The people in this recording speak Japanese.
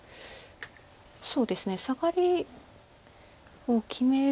そうですねサガリを決めると。